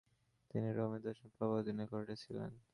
তিনি রোমে দশম পোপ এর অধীনে কাটিয়েছিলেন।